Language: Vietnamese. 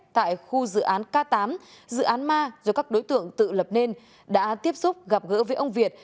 tại khu dự án k tám dự án ma do các đối tượng tự lập nên đã tiếp xúc gặp gỡ với ông việt